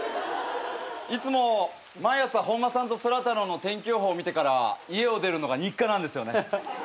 いつも毎朝本間さんとソラタロウの天気予報を見てから家を出るのが日課なんですよね。